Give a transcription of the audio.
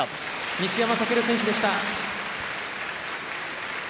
西山走選手でした。